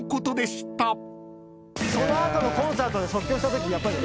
その後のコンサートで即興したときやっぱり。